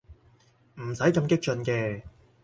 唔使咁激進嘅